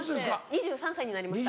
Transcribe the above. ２３歳になりました。